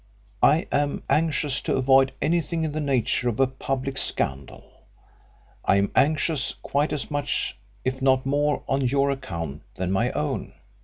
I am anxious to avoid anything in the nature of a public scandal I am anxious quite as much if not more on your account than my own.